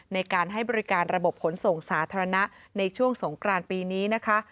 ในการให้บริการระบบขนส่งสาธารณะในช่วงสงกรานปีนี้นะคะ